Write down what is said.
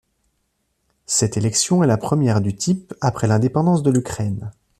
Cette élection est la première du type après l'indépendance de l'Ukraine.